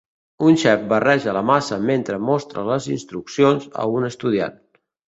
Un xef barreja la massa mentre mostra les instruccions a un estudiant.